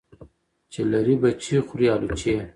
چی لری بچي خوري الوچی .